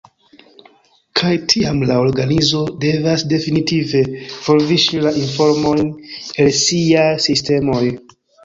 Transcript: Kaj tiam la organizo devas definitive forviŝi la informojn el siaj sistemoj.